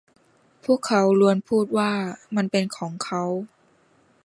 พวกเขาล้วนพูดว่ามันเป็นของเขา